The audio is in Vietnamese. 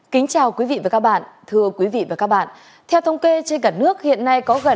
kính chào quý vị và các bạn thưa quý vị và các bạn theo thông kê trên cả nước hiện nay có gần